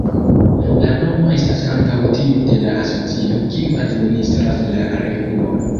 La nomo estas ankaŭ tiu de la asocio, kiu administras la revuon.